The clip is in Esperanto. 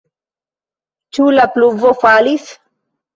Ĉu la pluvo falis?